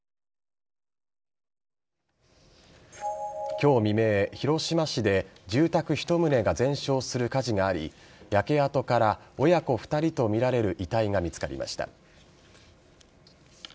今日未明、広島市で住宅１棟が全焼する火事があり焼け跡から親子２人とみられる遺体が見つかりました。